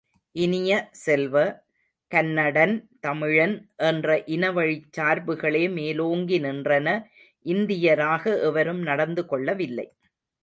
இனிய செல்வ, கன்னடன், தமிழன் என்ற இனவழிச் சார்புகளே மோலோங்கி நின்றன இந்தியராக எவரும் நடந்து கொள்ளவில்லை.